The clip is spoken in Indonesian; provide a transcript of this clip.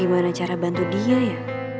gimana cara bantu dia ya